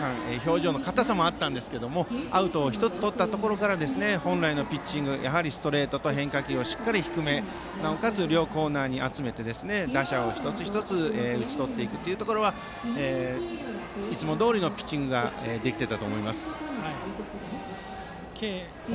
特に１番バッターの鈴木君には緊張感表情の硬さもあったんですけどアウトを１つとったところから本来のピッチングストレートと変化球をしっかり低めなおかつ両コーナーに集めて打者を一つ一つ打ち取っていくというところはいつもどおりのピッチングができていたと思います。